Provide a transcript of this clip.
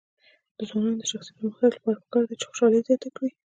د ځوانانو د شخصي پرمختګ لپاره پکار ده چې خوشحالي زیاته کړي.